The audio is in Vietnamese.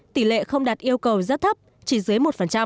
tỷ lệ không đạt yêu cầu rất thấp chỉ dưới một